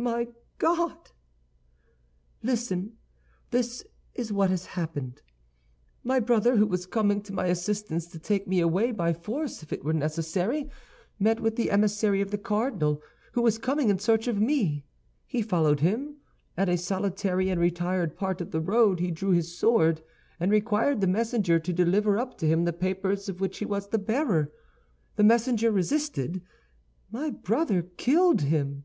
"Oh, my God!" "Listen. This is what has happened: My brother, who was coming to my assistance to take me away by force if it were necessary, met with the emissary of the cardinal, who was coming in search of me. He followed him. At a solitary and retired part of the road he drew his sword, and required the messenger to deliver up to him the papers of which he was the bearer. The messenger resisted; my brother killed him."